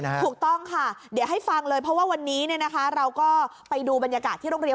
ถูกต้องค่ะเดี๋ยวให้ฟังเลยเพราะว่าวันนี้เนี่ยนะคะเราก็ไปดูบรรยากาศที่โรงเรียน